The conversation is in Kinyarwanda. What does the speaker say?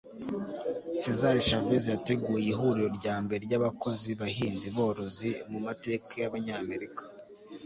Cesar Chavez yateguye ihuriro ryambere ryabakozi bahinzi borozi mumateka yabanyamerika